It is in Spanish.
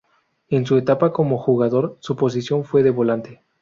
En su etapa como jugador su posición fue de volante.